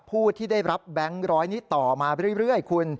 ผู้ที่ได้รับแบงค์ร้อยนี้ต่อมาเรื่อยคุณ